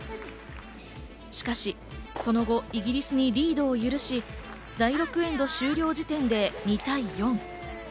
しかし、その後、イギリスにリードを許し、第６エンド終了時点で２対４。